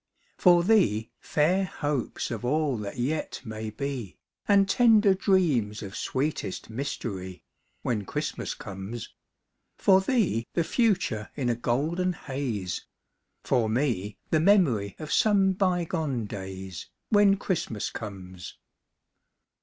For thee, fair hopes of all that yet may be, And tender dreams of sweetest mystery, When Christmas comes. For thee, the future in a golden haze, For me, the memory of some bygone days, When Christmas comes.